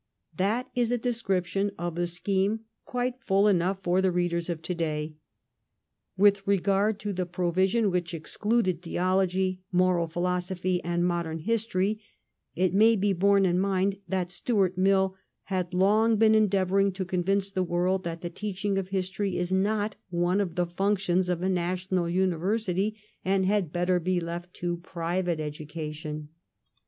That is a description of the scheme quite full enough for the readers of to day. With regard to the provision which excluded theology, moral phi losophy, and modern history, it may be borne in mind that Stuart Mill had long been endeavoring to convince the world that the teaching of history is not one of the functions of a national university, and had better be left to private education.